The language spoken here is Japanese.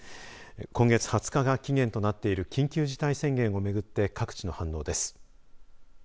今月２０日が期限となっている緊急事態宣言をめぐって各地の反応です。